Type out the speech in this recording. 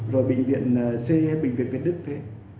rồi bệnh viện xây hay bệnh viện việt đức thế